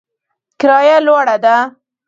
کرایه لوړه ده